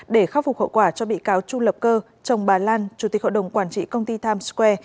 để khắc phục hậu quả cho bị cáo chu lập cơ chồng bà lan chủ tịch hội đồng quản trị công ty times square